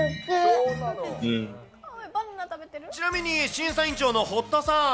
ちなみに、審査委員長の堀田さん。